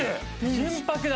純白だ。